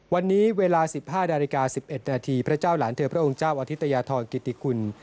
วันนี้เวลา๑๕นาฬิกา๑๑นาทีพระเจ้าหลานเธอพระองค์เจ้าอธิตยาธรกิติคุณ